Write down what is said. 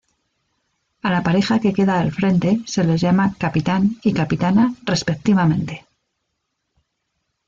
A la pareja que queda al frente se les llama capitán y capitana respectivamente.